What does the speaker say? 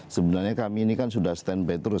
sebenarnya kami ini kan sudah stand by terus